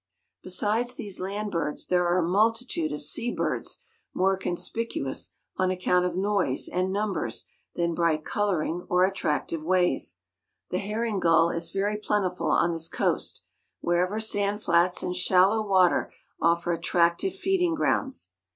Besides these land birds there are a multitude of sea birds more conspicuous on account of noise and numbers than bright coloring or attractive ways. The herring gull is very plentiful on this coast, wherever sand flats and shallow water offer attractive feeding grounds.